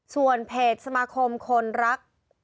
ส่วนเพจสมาคมคนรัก